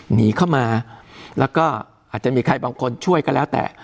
หนีเข้ามาแล้วก็อาจจะมีใครบางคนช่วยก็แล้วแต่